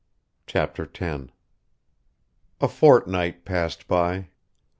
Chapter 10 A FORTNIGHT PASSED BY.